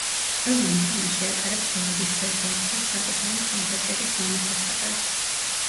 ყველა მოთამაშე ატარებს ვარდისფერ ბაფთას საკუთარი მხარდაჭერის გამოსახატად.